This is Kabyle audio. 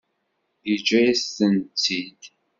Yeǧǧa-yasen-tt-id?